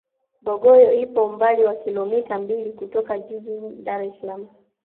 bongoyo ipo umbali wa kilomita mbili kutoka jijini dar es salaam